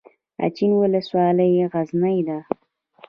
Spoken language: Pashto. اچین ولسوالۍ غرنۍ ده؟